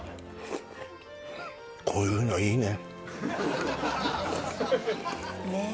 こういうのいいねねえ